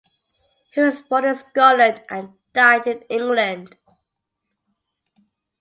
He was born in Scotland and died in England.